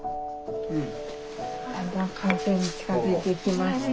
だんだん完成に近づいてきました。